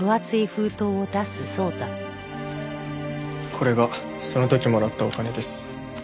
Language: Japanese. これがその時もらったお金です。